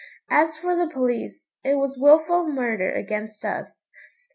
As for the police, it was wilful murder against us.